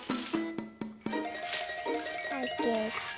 かけて。